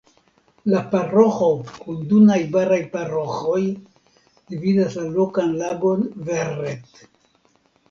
La paroĥo kun du najbaraj paroĥoj dividas la lokan lagon Verret.